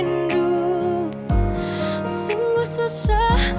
hati tak bisa mencari